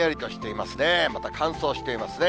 また乾燥していますね。